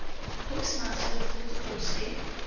The postmaster looked at it closely.